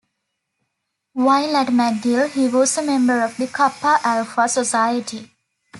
While at McGill he was a member of The Kappa Alpha Society.